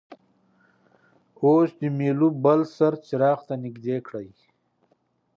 اوس د میلو بل سر څراغ ته نژدې کړئ.